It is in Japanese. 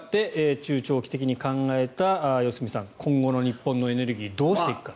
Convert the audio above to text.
中長期的に考えた、良純さん今後の日本のエネルギーどうしていくか。